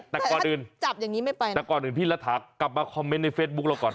แต่ก่อนอื่นพี่ระถักกลับมาคอมเมนต์ในเฟซบุ๊คเราก่อน